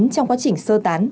trong quá trình sơ tán